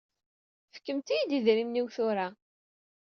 Fkemt-iyi-d idrimen-iw tura.